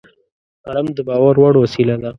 قلم د باور وړ وسیله ده